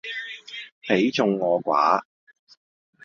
彼眾我寡